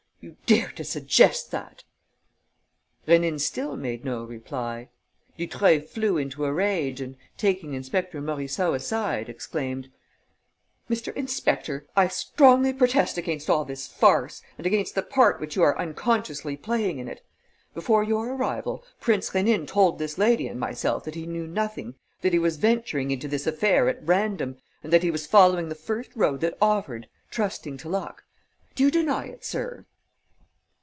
You dare to suggest that!" Rénine still made no reply. Dutreuil flew into a rage and, taking Inspector Morisseau aside, exclaimed: "Mr. Inspector, I strongly protest against all this farce and against the part which you are unconsciously playing in it. Before your arrival, Prince Rénine told this lady and myself that he knew nothing, that he was venturing into this affair at random and that he was following the first road that offered, trusting to luck. Do you deny it, sir?"